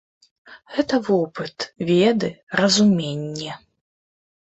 Гэта вопыт, веды, разуменне.